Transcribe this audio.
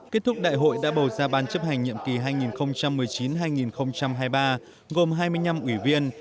kết thúc đại hội đã bầu ra ban chấp hành nhiệm kỳ hai nghìn một mươi chín hai nghìn hai mươi ba gồm hai mươi năm ủy viên